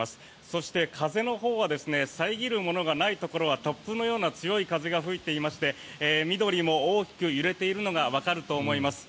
そして、風のほうは遮るものがないところは突風のような強い風が吹いていまして緑も大きく揺れているのがわかると思います。